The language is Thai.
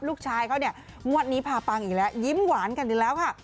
ลูกชายเขาเนี่ยงวดนี้พาปังอีกแล้วยิ้มหวานกันอีกแล้วค่ะ